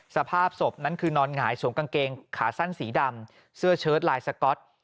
สภาพศพนั้นคือนอนหงายสวมกางเกงขาสั้นสีดำเสื้อเชิดลายสก๊อต